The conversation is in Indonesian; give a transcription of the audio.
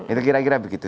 itu kira kira begitu